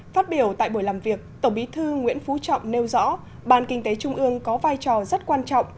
phát biểu tại buổi làm việc tổng bí thư nguyễn phú trọng nêu rõ ban kinh tế trung ương có vai trò rất quan trọng